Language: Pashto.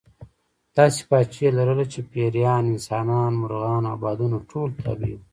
داسې پاچاهي یې لرله چې پېریان، انسانان، مرغان او بادونه ټول تابع وو.